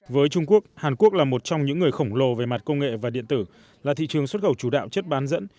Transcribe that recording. với trung quốc hàn quốc là một trong những người khổng lồ về mặt công nghệ và điện tử là thị trường xuất khẩu chủ đạo chất bán dẫn